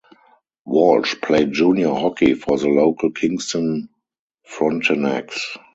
Walsh played junior hockey for the local Kingston Frontenacs.